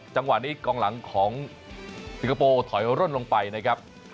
จังหวะนี้กองหลังของสิงคโปร์ถอยร่นลงไปนะครับ